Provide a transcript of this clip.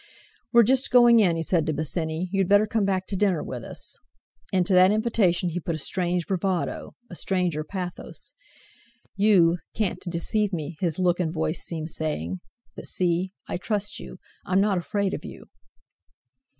"We're just going in," he said to Bosinney; "you'd better come back to dinner with us." Into that invitation he put a strange bravado, a stranger pathos: "You, can't deceive me," his look and voice seemed saying, "but see—I trust you—I'm not afraid of you!"